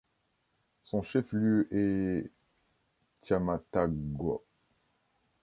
Son chef-lieu est Camatagua.